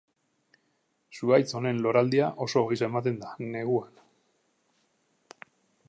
Zuhaitz honen loraldia oso goiz ematen da, neguan.